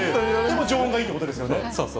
常温がいいということですよ